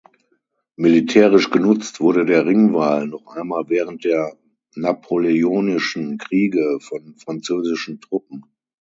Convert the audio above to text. Militärisch genutzt wurde der Ringwall noch einmal während der napoleonischen Kriege von französischen Truppen.